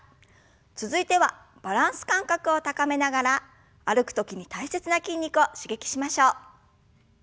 続いてはバランス感覚を高めながら歩く時に大切な筋肉を刺激しましょう。